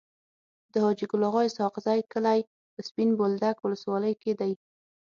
د حاجي ګل اغا اسحق زي کلی په سپين بولدک ولسوالی کي دی.